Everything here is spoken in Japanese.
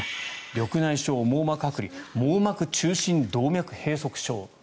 緑内障、網膜はく離網膜中心動脈閉塞症。